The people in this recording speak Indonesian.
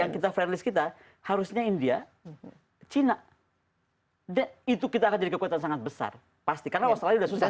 yang kita friendly kita harusnya india china itu kita akan jadi kekuatan sangat besar pasti karena australia sudah susah